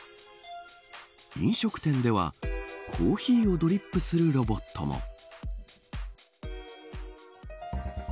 飲食店ではコーヒーをドリップするロボットも。